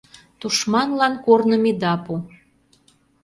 ТУШМАНЛАН КОРНЫМ ИДА ПУ